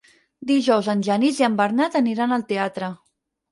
Dijous en Genís i en Bernat aniran al teatre.